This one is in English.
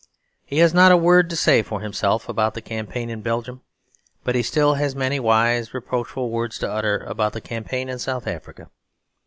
He has not a word to say for himself about the campaign in Belgium, but he still has many wise, reproachful words to utter about the campaign in South Africa.